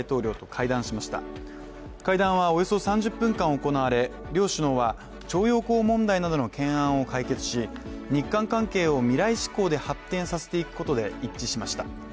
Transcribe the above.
会談はおよそ３０分間行われ、両首脳は徴用工問題などの懸案を解決し日韓関係を未来志向で発展させていくことで一致しました。